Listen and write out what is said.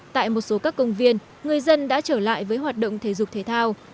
tại một số các công viên người dân đã trở lại với hoạt động thể dục thể thao